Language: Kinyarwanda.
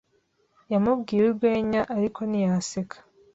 Yamubwiye urwenya, ariko ntiyaseka.